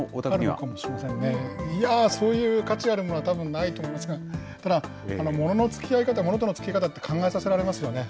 あるかもしれませんね、いやー、そういう価値あるものはたぶんないと思いますが、ただ、もののつきあい方、ものとのつきあい方って考えさせられますよね。